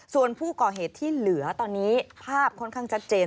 ส่วนผู้ก่อเหตุที่เหลือตอนนี้ภาพค่อนข้างชัดเจน